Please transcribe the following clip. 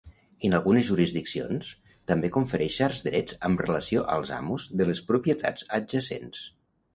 En algunes jurisdiccions, també confereix certs drets amb relació als amos de les propietats adjacents.